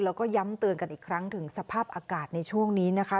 แล้วก็ย้ำเตือนกันอีกครั้งถึงสภาพอากาศในช่วงนี้นะคะ